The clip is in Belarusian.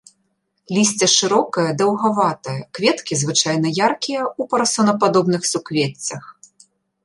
Лісце шырокае даўгаватае, кветкі звычайна яркія, у парасонападобных суквеццях.